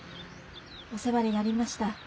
お世話になりました。